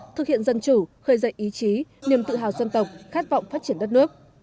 thực hiện dân chủ khơi dậy ý chí niềm tự hào dân tộc khát vọng phát triển đất nước